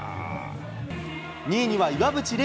２位には岩渕麗